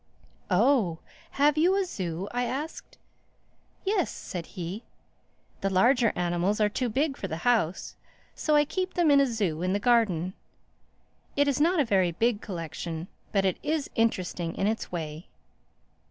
"Oh, have you a zoo?" I asked. "Yes," said he. "The larger animals are too big for the house, so I keep them in a zoo in the garden. It is not a very big collection but it is interesting in its way."